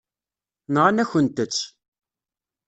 Nɣan-akent-tt.